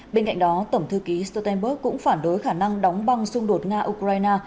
bên cạnh đó tổng thư ký stoltenberg cũng phản đối khả năng đóng băng xung đột nga ukraine